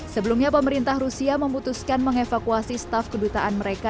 sebelumnya pemerintah rusia memutuskan mengevakuasi staf kedutaan mereka